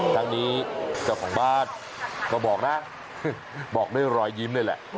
ทั้งนี้เจ้าของบ้านก็บอกนะบอกด้วยรอยยิ้มเลยแหละ